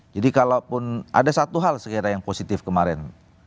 jadi kalaupun ada satu hal saya kira yang positif kemarin